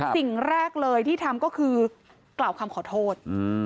สิ่งแรกเลยที่ทำก็คือกล่าวคำขอโทษ